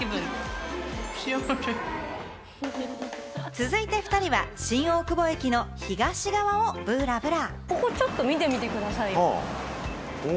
続いて２人は新大久保駅の東側をぶらぶら。